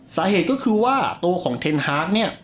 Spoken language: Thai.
สาเหตุก็คือว่าตัวของเทนฮาร์ด